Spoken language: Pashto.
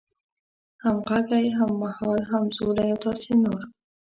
همغږی، هممهال، همزولی او داسې نور